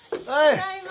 ただいま。